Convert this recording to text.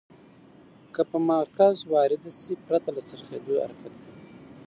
که په مرکز وارده شي پرته له څرخیدو حرکت کوي.